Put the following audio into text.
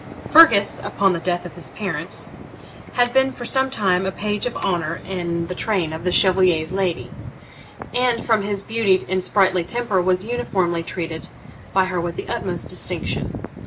Fergus, upon the death of his parents, had been for some time a page of honour in the train of the Chevalier's lady, and, from his beauty and sprightly temper, was uniformly treated by her with the utmost distinction.